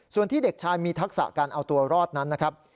ส่วนที่เด็กชายมีทักษะการเอาตัวรอดนั้นนะครับ